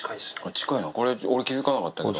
近いな、これ、俺気付かなかったけど。